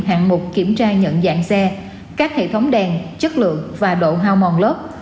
hạng mục kiểm tra nhận dạng xe các hệ thống đèn chất lượng và độ hao mòn lớp